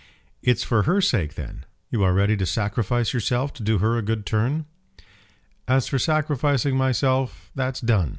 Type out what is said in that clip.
"It's for her sake then! You are ready to sacrifice yourself to do her a good turn." "As for sacrificing myself, that's done.